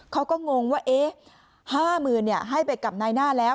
เขาก็งงว่า๕๐๐๐ให้ไปกับนายหน้าแล้ว